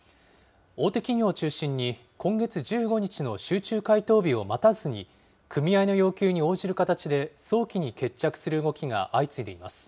大手企業を中心に、今月１５日の集中回答日を待たずに、組合の要求に応じる形で、早期に決着する動きが相次いでいます。